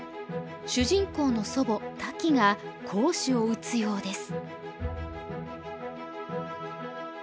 主人公の祖母タキが好手を打つようです。